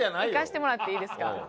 いかせてもらっていいですか？